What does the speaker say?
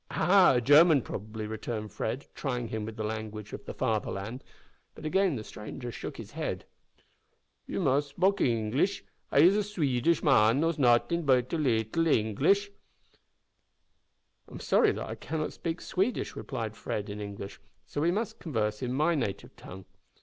"Ah! a German, probably," returned Fred, trying him with the language of the Fatherland; but again the stranger shook his head. "You mus' spok English. I is a Swedish man; knows noting but a leetil English." "I'm sorry that I cannot speak Swedish," replied Fred, in English; "so we must converse in my native tongue.